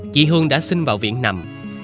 chị hương đã sinh vào viện nằm